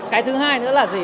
cái thứ hai nữa là gì